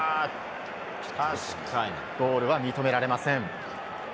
ゴールは認められません。